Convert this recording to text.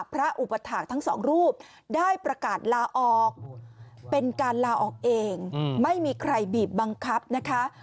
อุปถาคทั้งสองรูปได้ประกาศลาออกเป็นการลาออกเองไม่มีใครบีบบังคับนะคะ